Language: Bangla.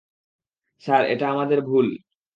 স্যার, এটা আমাদের ভুল।